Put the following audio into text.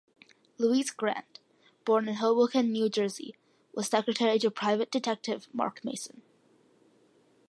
Louise Grant, born in Hoboken, New Jersey, was secretary to private detective Mark Mason.